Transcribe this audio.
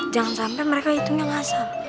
jangan sampe mereka hitungnya ngasar